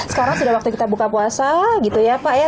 sekarang sudah waktu kita buka puasa gitu ya pak ya